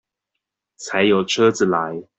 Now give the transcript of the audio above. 才有車子來